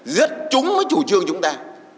rất chúng mới chủ trương chúng ta